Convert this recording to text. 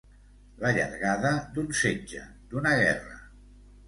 La llargada d'un setge, d'una guerra.